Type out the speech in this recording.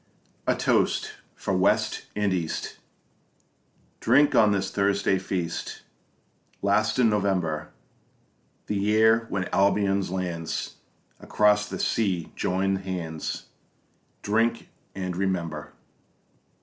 A toast for West and East Drink on this Thursday feast Last in November, The year when Albion's lands Across the sea join hands Drink and remember!